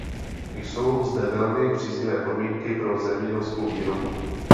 Jsou zde velmi příznivé podmínky pro zemědělskou výrobu.